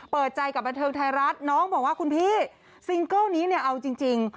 เปิดใจกับบันเทิงไทยรัฐน้องบอกว่าคุณพี่ซิงเกิลนี้เนี่ยเอาจริง